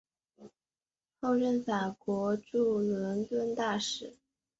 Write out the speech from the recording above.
后任法国驻伦敦大使。